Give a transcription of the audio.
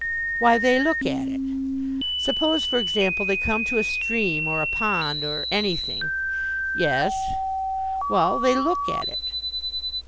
"Why, they look at it. Suppose, for example, they come to a stream or a pond or anything " "Yes " "Well, they look at it."